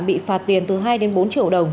bị phạt tiền từ hai bốn triệu đồng